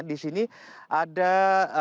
di sini ada satu buah tempat tinggal